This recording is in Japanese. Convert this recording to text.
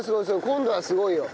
今度はすごいよ。